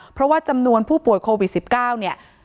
เพราะว่าจำนวนผู้ป่วยโควิด๑๙เนี่ย